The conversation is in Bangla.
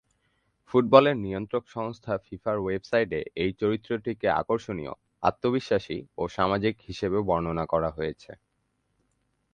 ফুটবলের নিয়ন্ত্রক সংস্থা ফিফার ওয়েবসাইটে এই চরিত্রটিকে আকর্ষণীয়, আত্মবিশ্বাসী ও সামাজিক হিসেবে বর্ণনা করা হয়েছে।